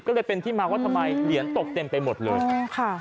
ก็เลยเป็นที่มาว่าทำไมเหรียญตกเต็มไปหมดเลยใช่ค่ะ